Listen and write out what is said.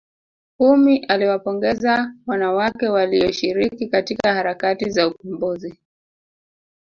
ummy aliwapongeza wanawake waliyoshiriki katika harakati za ukombozi